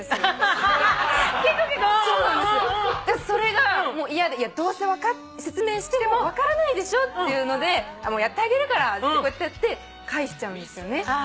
それが嫌でどうせ説明しても分からないでしょっていうのでもうやってあげるからってこうやってやって返しちゃうんですよね。